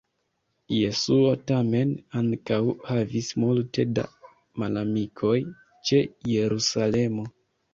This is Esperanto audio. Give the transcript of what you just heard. Jesuo tamen ankaŭ havis multe da malamikoj ĉe Jerusalemo.